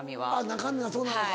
中身はそうなのか。